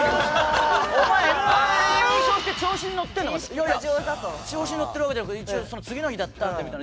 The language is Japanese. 「いやいや調子にのってるわけじゃなくて一応次の日だったんで」みたいな。